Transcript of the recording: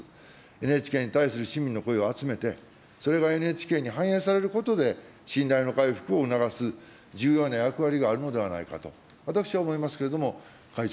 ＮＨＫに対する市民の声を集めて、それがＮＨＫに反映されることで、信頼の回復を促す重要な役割があるのではないかと、私は思いますけれども、会長、